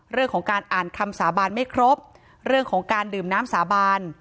เรื่องของการอ่านคำสาบานไม่ครบเรื่องของการดื่มน้ำสาบาน